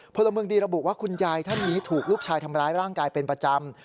พลเมืองดีระบุว่าคุณยายท่านนี้ถูกลูกชายทำร้ายร่างกายเป็นประจำ